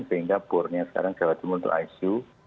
sehingga bornya sekarang jawa timur untuk icu